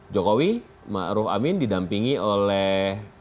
jokowi ma'ruf amin didampingi oleh